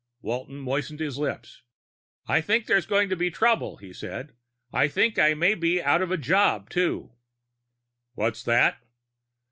Walton moistened his lips. "I think there's going to be trouble," he said. "I think I may be out of a job, too." "What's that?"